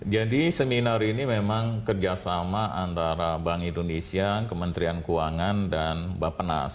jadi seminar ini memang kerjasama antara bank indonesia kementerian keuangan dan bapak nas